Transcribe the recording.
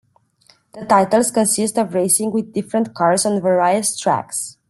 The titles consist of racing with different cars on various tracks.